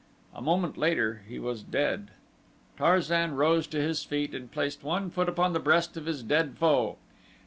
A moment later he was dead. Tarzan rose to his feet and placed one foot upon the breast of his dead foe.